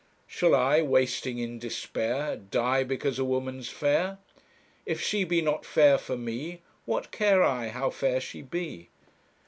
Shall I, wasting in despair, Die because a woman's fair? If she be not fair for me, What care I how fair she be?